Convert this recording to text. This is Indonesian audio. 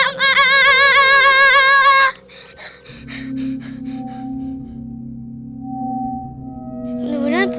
mami bakal bangun